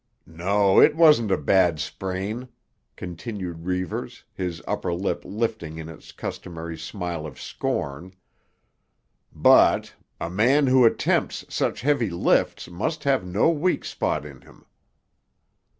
"No, it wasn't a bad sprain," continued Reivers, his upper lip lifting in its customary smile of scorn, "but—a man who attempts such heavy lifts must have no weak spot in him."